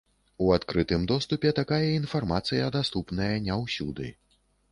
У адкрытым доступе такая інфармацыя даступная не ўсюды.